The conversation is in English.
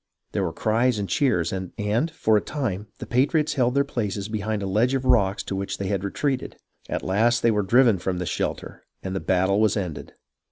There were cries and cheers, and, for a time, the patriots held their places behind a ledge of rocks to which they had retreated. At last they were driven from this shelter, and the battle was ended.